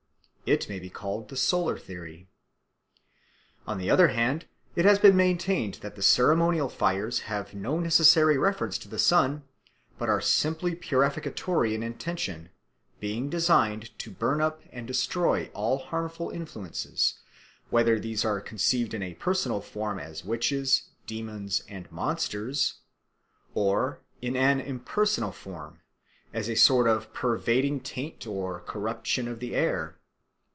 It may be called the solar theory. On the other hand it has been maintained that the ceremonial fires have no necessary reference to the sun but are simply purificatory in intention, being designed to burn up and destroy all harmful influences, whether these are conceived in a personal form as witches, demons, and monsters, or in an impersonal form as a sort of pervading taint or corruption of the air.